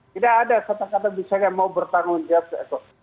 tidak ada kata kata misalnya mau bertanggung jawab